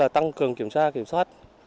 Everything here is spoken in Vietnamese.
tăng cường kiểm tra kiểm soát